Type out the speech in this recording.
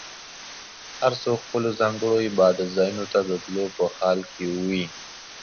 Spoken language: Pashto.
هر څوک خپلو ځانګړو عبادت ځایونو ته د تلو په حال کې وي.